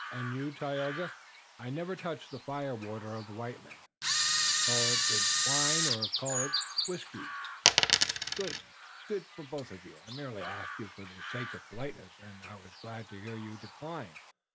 "Und you, Tayoga?" "I never touch the firewater of the white man, call they it wine or call they it whiskey." "Good. Good for you both. I merely asked you for the sake of politeness, und I wass glad to hear you decline.